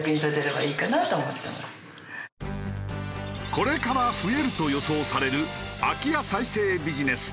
これから増えると予想される空き家再生ビジネス。